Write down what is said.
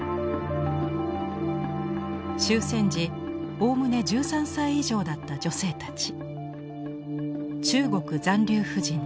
終戦時おおむね１３歳以上だった女性たち。